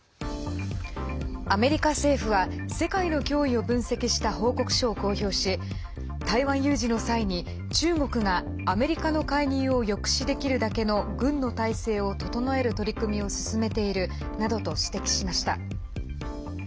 アメリカ政府は、世界の脅威を分析した報告書を公表し台湾有事の際に中国がアメリカの介入を抑止できるだけの軍の態勢を整える取り組みを進めているなどと指摘しました。